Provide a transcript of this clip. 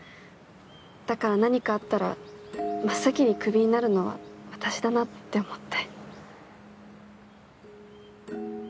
だから何かあったら真っ先にクビになるのは私だなって思って。